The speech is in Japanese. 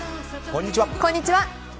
こんにちは。